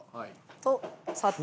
と砂糖。